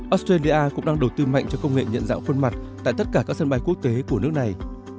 australia cũng đang đầu tư mạnh cho công nghệ nhận dạng khuôn mặt tại tất cả các sân bay quốc tế của nước này